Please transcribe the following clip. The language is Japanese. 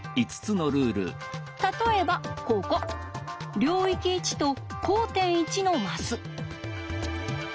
例えばここ領域１と交点１のマス。